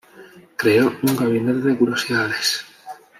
Creó un gabinete de curiosidades.